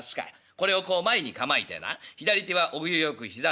これをこう前に構えてな左手はお行儀よく膝の上。